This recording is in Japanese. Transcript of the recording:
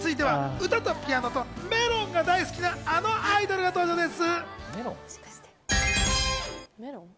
歌とピアノとメロンが大好きなあのアイドルが登場です。